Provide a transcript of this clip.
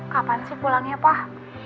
kapan sih pulangnya pak